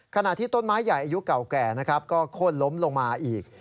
ขณะที่ต้นไม้ใหญ่อายุเก่าแก่นะครับก็โค้นล้มลงมาอีก